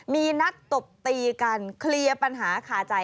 มีนัดตบตีกันเคลียร์ปัญหาคาใจ